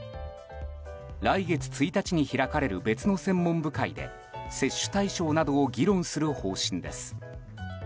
来月１日に開かれる別の専門部会で接種対象などを議論する方針です。